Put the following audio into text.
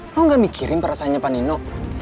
lo gak mikirin perasanya panino